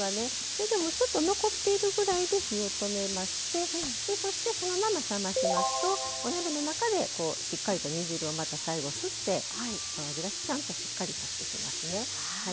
それでもちょっと残っているぐらいで火を止めましてそしてそのまま冷ましますとお鍋の中でしっかりと煮汁をまた最後吸ってお味がちゃんとしっかりとしてきますね。